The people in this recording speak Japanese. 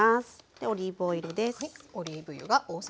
でオリーブオイルです。